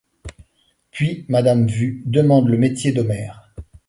Puis Madame Wu demande le métier d'Homer.